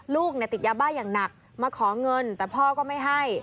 ลูกเนี่ยติดยาบ้าอย่างหนักมาขอเงินแต่พ่อก็ไม่ให้